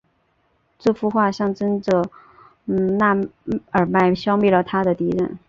这幅画象征着那尔迈消灭了他的敌人。